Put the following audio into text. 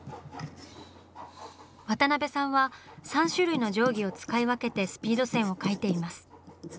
渡辺さんは３種類の定規を使い分けてスピード線を描いています。